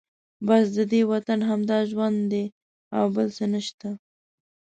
بس ددې وطن همدا ژوند دی او بل څه نشته.